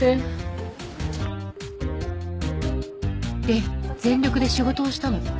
で全力で仕事をしたの。